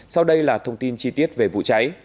sau đây là thông tin chi tiết về vụ cháy